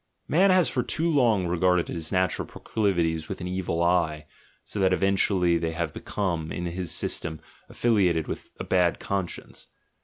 Man has for too long regarded his natural pro clivities with an "evil eye," so that eventually they have become in his system affiliated to a bad conscience.